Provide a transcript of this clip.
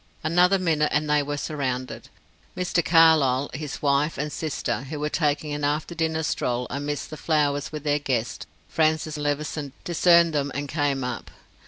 Another minute and they were surrounded. Mr. Carlyle, his wife, and sister, who were taking an after dinner stroll amidst the flowers with their guest, Francis Levison, discerned them, and came up.